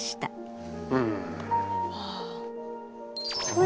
うん。